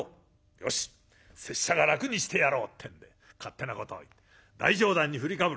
よし拙者が楽にしてやろう」ってんで勝手なことを言って大上段に振りかぶる。